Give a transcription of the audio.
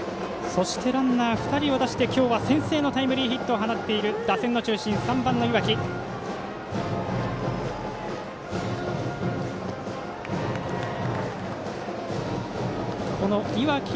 ランナー２人を出して今日は先制のタイムリーヒットを放っている打線の中心、３番の岩来。